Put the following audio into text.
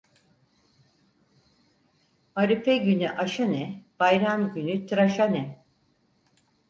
Arife günü aşa ne, bayram günü tıraşa ne?